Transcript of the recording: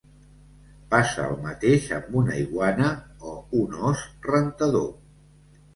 Passa el mateix amb una iguana o un os rentador.